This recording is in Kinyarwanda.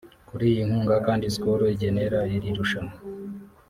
Kuri iyi nkunga kandi Skol igenera iri rushanwa